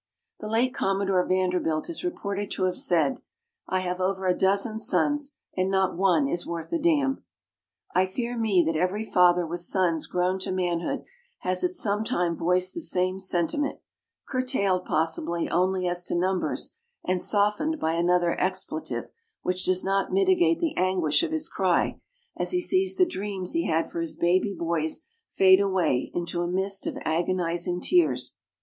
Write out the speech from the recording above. The late Commodore Vanderbilt is reported to have said, "I have over a dozen sons, and not one is worth a damn." I fear me that every father with sons grown to manhood has at some time voiced the same sentiment, curtailed, possibly, only as to numbers, and softened by another expletive, which does not mitigate the anguish of his cry, as he sees the dreams he had for his baby boys fade away into a mist of agonizing tears.